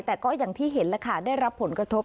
แต่ก็อย่างที่เห็นแล้วค่ะได้รับผลกระทบ